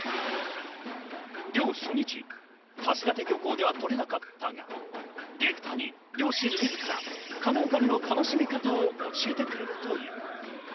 漁初日、橋立漁港では取れなかったが、ディレクターに漁師自ら加能がにの楽しみ方を教えてくれるという。